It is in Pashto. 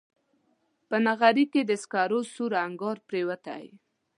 په نغري کې د سکرو سور انګار پرېوتی